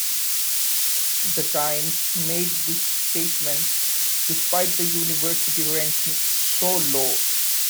The Times made this statement despite the University ranking so low.